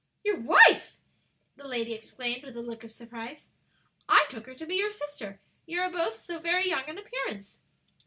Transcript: "Your wife" the lady exclaimed, with a look of surprise. "I took her to be your sister; you are both so very young in appearance."